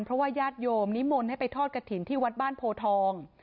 เพราะว่าญาติโยมนิมนต์ให้ไปทอดกระถิ่นที่วัดบ้านโพทอง